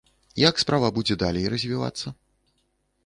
Як справа будзе далей развівацца?